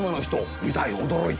「見たよ驚いた。